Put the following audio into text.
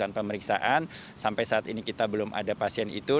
dan pemeriksaan sampai saat ini kita belum ada pasien itu